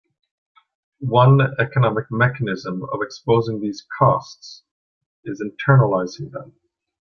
One economic mechanism of exposing these costs is internalizing them.